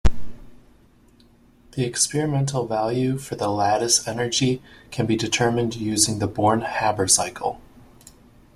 The experimental value for the lattice energy can be determined using the Born-Haber cycle.